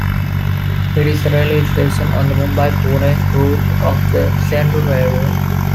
It is a railway station on the Mumbai-Pune route of the Central Railway.